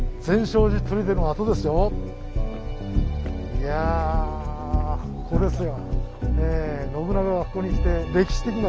いやここですよ。